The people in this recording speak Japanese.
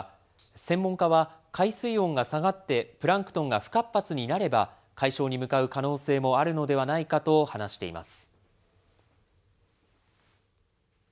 専門家は、海水温が下がってプランクトンが不活発になれば、解消に向かう可能性もあるのではないかと話しています。